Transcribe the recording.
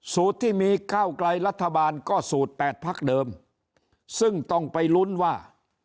ที่มีก้าวไกลรัฐบาลก็สูตรแปดพักเดิมซึ่งต้องไปลุ้นว่า